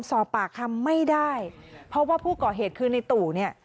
สอบปากคำไม่ได้เพราะว่าผู้เกาะเหตุคืนนี้ตั๋วเนี่ย